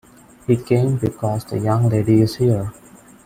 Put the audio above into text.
He came because the young lady is here.